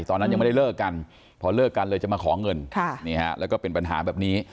ตอนนั้นยังไม่ได้เลิกกันพอเลิกกันเลยจะมาขอเงินแล้วก็เป็นปัญหาแบบนี้